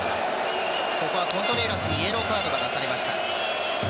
ここはコントレラスにイエローカードが出されました。